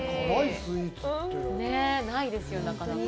ないですよ、なかなか。